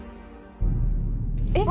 えっ！